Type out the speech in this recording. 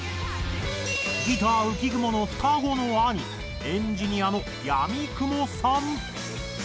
ギター浮雲の双子の兄エンジニアの闇雲さん。